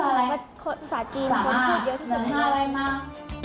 แล้วก็ภาษาจีนคนพูดเยอะที่สุดมาก